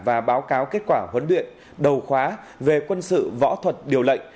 và báo cáo kết quả huấn luyện đầu khóa về quân sự võ thuật điều lệnh